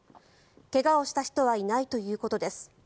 怪我をした人はいないということです。